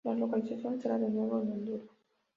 La localización será de nuevo en Honduras.